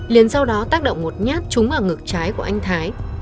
liền sau đó tác động một nhát trúng vào ngực trái của anh thái